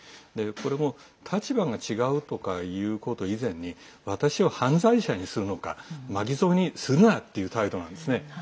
これも立場が違うとかいうこと以前に私を犯罪者にするのか巻き添えにするなっていう態度なんですね。